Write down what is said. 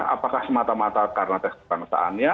apakah semata mata karena tes kebangsaannya